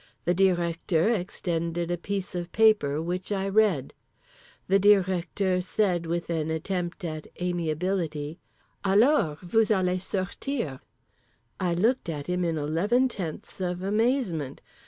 The Directeur extended a piece of paper, which I read. The Directeur said, with an attempt at amiability: "Alors, vous allez sortir." I looked at him in eleven tenths of amazement.